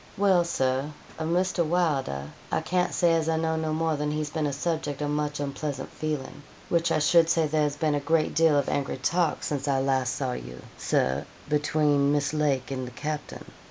'Well, Sir, of Mr. Wylder, I can't say as I know no more than he's been a subjek of much unpleasant feelin', which I should say there has been a great deal of angry talk since I last saw you, Sir, between Miss Lake and the capting.'